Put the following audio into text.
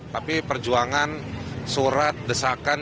tapi perjuangan surat desakan